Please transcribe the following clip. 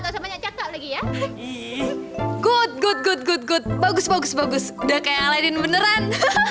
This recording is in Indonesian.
sudah seperti aladin beneran